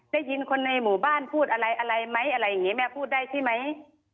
ได้ยินคนในหมู่บ้านพูดอะไรอะไรไหมอะไรอย่างนี้แม่พูดได้ใช่ไหม